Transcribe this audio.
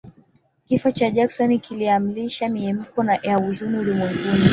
Kifo cha Jackson kiliamsha mihemko ya huzuni ulimwenguni